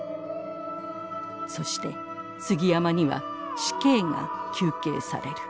そして杉山には死刑が求刑される。